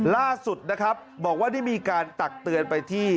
ล่าสุดนะครับบอกว่าได้มีการตักเตือนไปที่